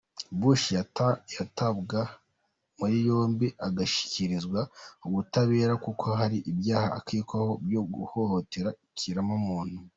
Bush yatabwa muri yombi agashyikirizwa ubutabera kuko hari ibyaha akekwaho byo guhohotera ikiremwamuntu.